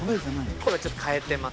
声はちょっと変えてます。